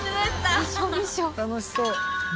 楽しそう。